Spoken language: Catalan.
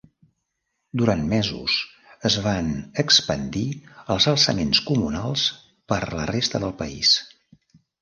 Durant mesos es van expandir els alçaments comunals per la resta del país.